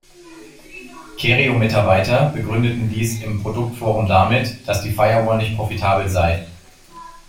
Kerio-Mitarbeiter begründeten dies im Produkt-Forum damit, dass die Firewall nicht profitabel sei.